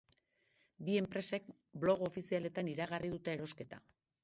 Bi enpresek blog ofizialetan iragarri dute erosketa.